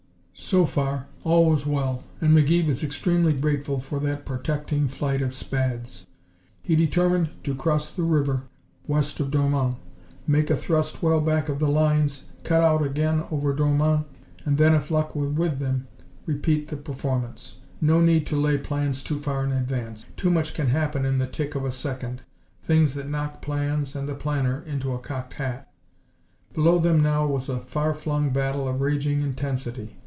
So far, all was well, and McGee was extremely grateful for that protecting flight of Spads. He determined to cross the river west of Dormans, make a thrust well back of the lines, cut out again over Dormans and then, if luck were with them, repeat the performance. No need to lay plans too far in advance. Too much can happen in the tick of a second things that knock plans and the planner into a cocked hat. Below them now was a far flung battle of raging intensity.